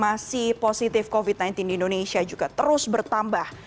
masih positif covid sembilan belas di indonesia juga terus bertambah